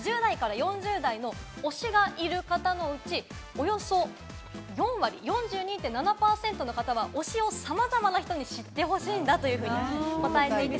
１０代から４０代の推しがいる方のうち、およそ４割、４２．７％の方は推しを様々な人に知ってほしいんだというふうに答えています。